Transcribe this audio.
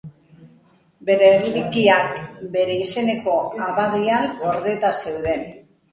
Bere erlikiak bere izeneko abadian gordeta zeuden.